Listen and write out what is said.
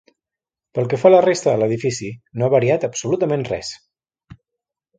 Pel que fa a la resta de l'edifici, no ha variat absolutament res.